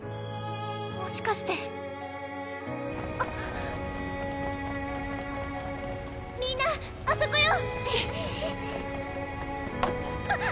もしかしてみんなあそこよ！